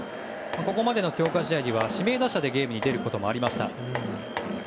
ここまでの強化試合では指名打者でゲームに出ることもありました。